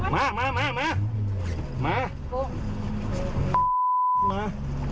ไม่ใช่เลยค่ะคุณไม่จอดจอดสอนคัน